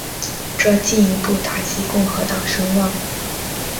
这进一步打击共和党声望。